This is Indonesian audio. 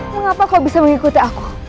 mengapa kau bisa mengikuti aku